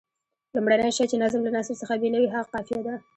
لومړنی شی چې نظم له نثر څخه بېلوي هغه قافیه ده.